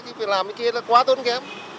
chứ việc làm cái kia là quá tốn kém